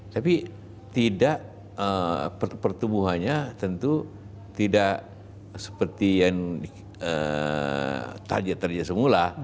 tapi tidak pertumbuhannya tentu tidak seperti yang terjadi semula